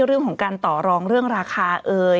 เรื่องของการต่อรองเรื่องราคาเอ่ย